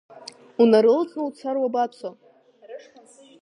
Унарылҵны уцар уабацо?